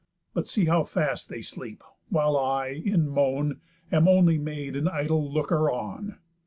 But see how fast they sleep, while I, in moan, Am only made an idle looker on.